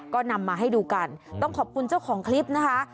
ก็นำมาให้ดูกันต้องขอบคุณเจ้าของคลิปนะคะ